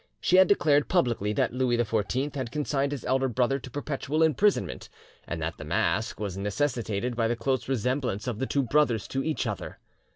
She had declared publicly that Louis XIV had consigned his elder brother to perpetual imprisonment, and that the mask was necessitated by the close resemblance of the two brothers to each other.